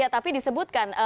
ya tapi disebutkan